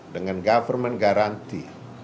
dengan government garanti